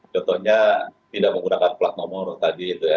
contohnya tidak menggunakan plat nomor tadi itu ya